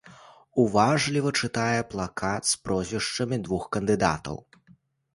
Уважліва чытае плакат з прозвішчамі двух кандыдатаў.